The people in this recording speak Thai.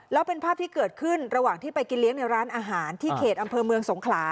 แล้วเป็นภาพที่เกิดขึ้นระหว่างที่ไปกินเลี้ยงในร้านอาหารที่เขตอำเภอเมืองสงขลา